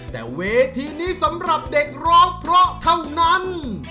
แต่เวทีนี้สำหรับเด็กร้องเพราะเท่านั้น